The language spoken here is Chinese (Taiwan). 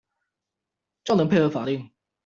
較能配合法令